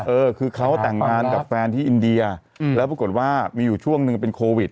เออคือเขาแต่งงานกับแฟนที่อินเดียแล้วปรากฏว่ามีอยู่ช่วงหนึ่งเป็นโควิด